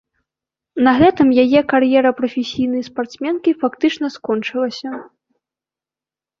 На гэтым яе кар'ера прафесійнай спартсменкі фактычна скончылася.